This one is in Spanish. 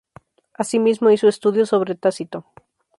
Asimismo hizo estudios sobre Tácito.